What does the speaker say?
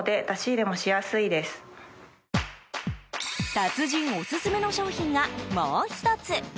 達人オススメの商品がもう１つ。